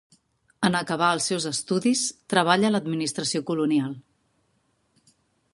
En acabar els seus estudis, treballa a l'administració colonial.